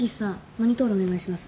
マニトールお願いします。